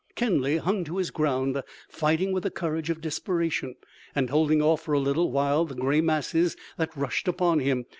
Kenly hung to his ground, fighting with the courage of desperation, and holding off for a little while the gray masses that rushed upon him.